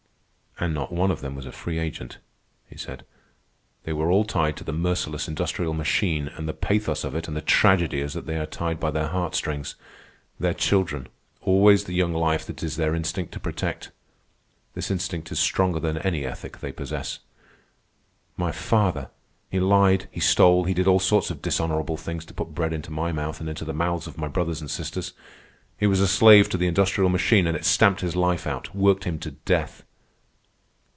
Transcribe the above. "And not one of them was a free agent," he said. "They were all tied to the merciless industrial machine. And the pathos of it and the tragedy is that they are tied by their heartstrings. Their children—always the young life that it is their instinct to protect. This instinct is stronger than any ethic they possess. My father! He lied, he stole, he did all sorts of dishonorable things to put bread into my mouth and into the mouths of my brothers and sisters. He was a slave to the industrial machine, and it stamped his life out, worked him to death."